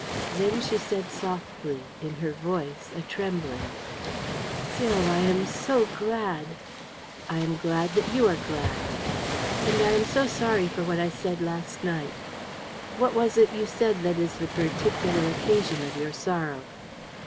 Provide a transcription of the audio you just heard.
Then she said softly, in her voice a trembling "Cyril, I am so glad." "I am glad that you are glad." "And I am so sorry for what I said last night." "What was it you said that is the particular occasion of your sorrow?"